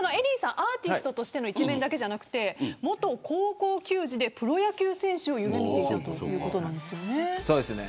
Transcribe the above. アーティストとしての一面だけじゃなくて元高校球児でプロ野球選手を夢見ていたんですよね。